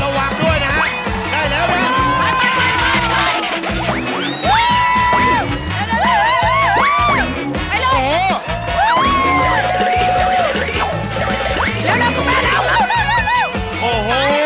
เริ่มรับเร็วตอนนี้จำแล้วนะฮะ